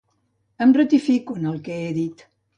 Em ratifico en el que he dit.